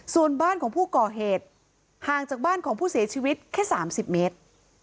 ส่วนบ้านของผู้ก่อเหตุห่างจากบ้านของผู้เสียชีวิตแค่๓๐เมตร